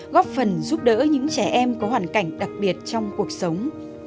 với những trẻ em có hoàn cảnh đặc biệt trong cuộc sống